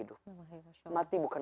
itu bukan tempat yang kita lakukan